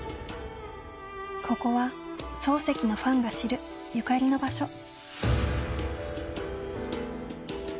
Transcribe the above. ここは漱石のファンが知るゆかりの場所。